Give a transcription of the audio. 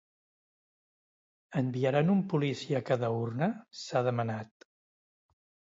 Enviaran un policia a cada urna?, s’ha demanat.